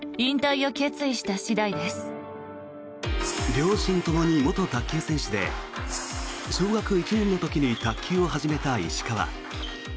両親ともに元卓球選手で小学１年の時に卓球を始めた石川。